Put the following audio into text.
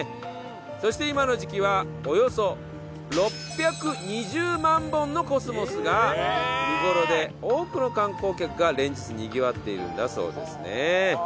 そして今の時期はおよそ６２０万本のコスモスが見頃で多くの観光客が連日にぎわっているんだそうですね。